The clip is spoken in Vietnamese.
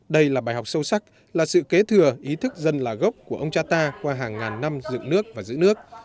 đây là bài học sâu sắc là sự kế thừa ý thức dân là gốc của ông cha ta qua hàng ngàn năm dựng nước và giữ nước